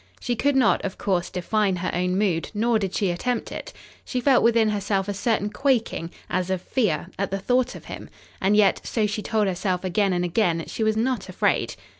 She could not, of course, define her own mood, nor did she attempt it. She felt within herself a certain quaking, as of fear, at the thought of him, and yet, so she told herself again and again, she was not afraid.